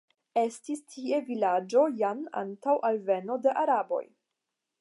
Estis tie vilaĝo jan antaŭ alveno de araboj.